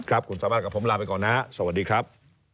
คุณสามารถกับผมลาไปก่อนนะครับสวัสดีครับ